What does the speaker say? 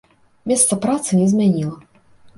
Месца працы не змяніла.